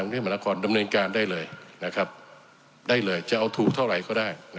ของประเภทมนตรากรดำเนินการได้เลยจะเอาถูกเท่าไรก็ได้